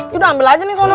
yaudah ambil aja nih soalnya